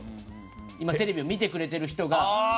今テレビを見てくれている人が。